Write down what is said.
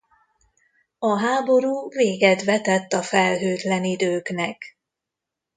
A háború véget vetett a felhőtlen időknek.